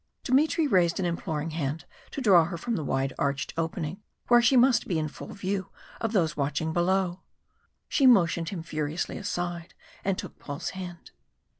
Dmitry raised an imploring hand to draw her from the wide arched opening, where she must be in full view of those watching below. She motioned him furiously aside, and took Paul's hand.